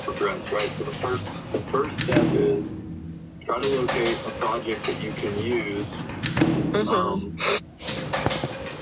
What's your regiment and company?